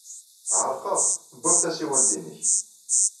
Ɛerqeɣ, uwyeɣ tasiwant-nnek.